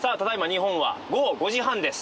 日本は午後５時半です。